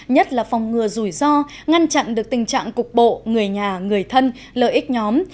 nhất là phòng ngừa rủi ro ngăn chặn được tình trạng cục bộ người nhà người thân lợi ích nhóm